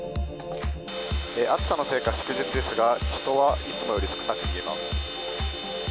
暑さのせいか、祝日ですが、人はいつもより少なくなっています。